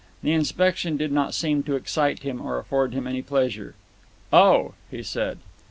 The inspection did not seem to excite him or afford him any pleasure. "Oh!" he said.